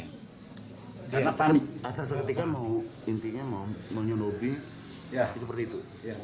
hasrat seketika mau nyodomi gitu berhitu